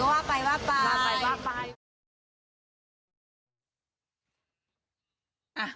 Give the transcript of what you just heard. ฝากตัวไหนก็ว่าไปว่าไป